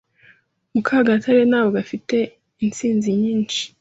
Mukagatare ntabwo afite intsinzi nyinshi.